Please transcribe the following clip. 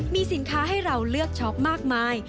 เพื่อให้เราเลือกช็อปมากมาย